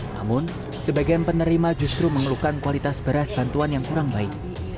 namun sebagian penerima justru mengeluhkan kualitas beras bantuan yang kurang baik